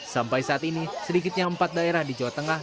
sampai saat ini sedikitnya empat daerah di jawa tengah